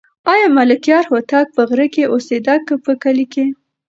آیا ملکیار هوتک په غره کې اوسېده که په کلي کې؟